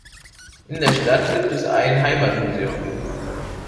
In der Stadt gibt es ein Heimatmuseum.